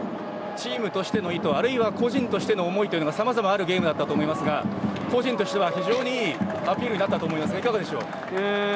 チームとしての意図あるいは個人としての思いというのがさまざまあるゲームだと思いますが個人としてはいいアピールだと思いますがどうでしょう？